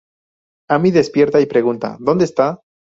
Amy despierta y pregunta "¿dónde está?